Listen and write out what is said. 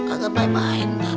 agak baik baik ntar